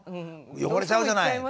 汚れちゃうじゃない」。